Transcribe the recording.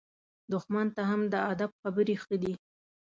دښمن ته هم د ادب خبرې ښه دي.